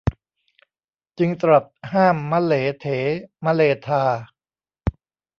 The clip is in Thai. จึงตรัสห้ามมะเหลเถมะเลทา